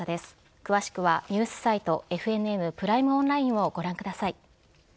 詳しくは、ニュースサイトＦＮＮプライムオンラインをご覧ください。